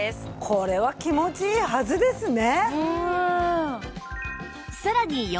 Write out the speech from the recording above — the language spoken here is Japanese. これはまた気持ちいいですね。